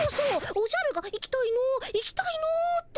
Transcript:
おじゃるが「行きたいの行きたいの」って。